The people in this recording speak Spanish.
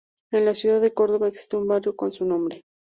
En la ciudad de Córdoba existe un barrio con su nombre.